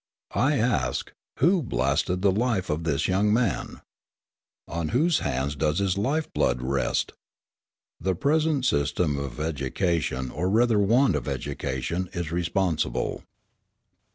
I ask, Who blasted the life of this young man? On whose hands does his lifeblood rest? The present system of education, or rather want of education, is responsible.